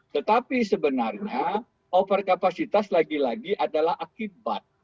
tetapi sebenarnya overkapasitas lagi lagi adalah akibat